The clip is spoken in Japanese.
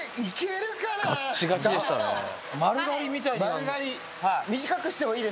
丸刈り。